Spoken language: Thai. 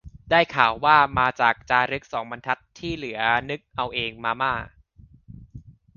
ได้ข่าวว่า มาจากจารึกสองบรรทัด ที่เหลือนึกเอาเอง มาม่า